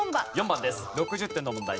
６０点の問題。